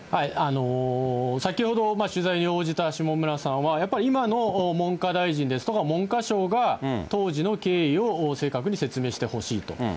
先ほど取材に応じた下村さんは、やっぱり今の文科大臣ですとか、文科省が、当時の経緯を正確に説明してほしいと。